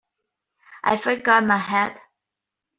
I forgot my hat.